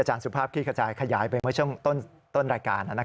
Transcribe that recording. อาจารย์สุภาพคิดขยายขยายไปเมื่อช่วงต้นรายการ